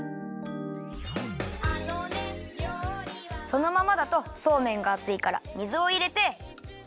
そのままだとそうめんがあついから水をいれて。